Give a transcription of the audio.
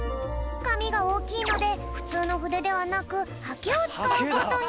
かみがおおきいのでふつうのふでではなくハケをつかうことに。